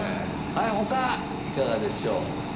他いかがでしょう？